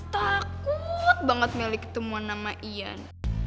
takut banget meli ketemuan nama ian